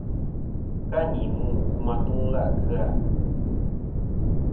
Ka ni mu kum atuŋlɨ à kɨ-a.